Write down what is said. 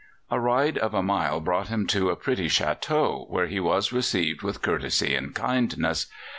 A ride of a mile brought him to a pretty château, where he was received with courtesy and kindness.